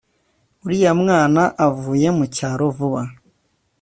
Uriya mwana avuye mu cyaro vuba